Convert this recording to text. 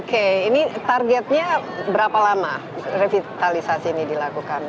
oke ini targetnya berapa lama revitalisasi ini dilakukan